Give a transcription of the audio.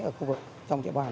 ở khu vực trong địa bàn